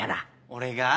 俺が？